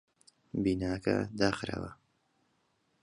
بیناکە داخراوە.